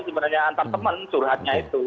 sebenarnya antar teman curhatnya itu